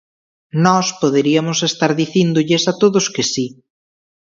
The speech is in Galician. Nós poderiamos estar dicíndolles a todos que si.